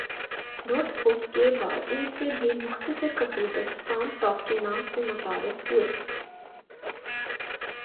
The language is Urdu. نوٹ بک کے بعد ان سے بھی مختصر کمپیوٹرز پام ٹوپ کے نام سے متعارف ہوئے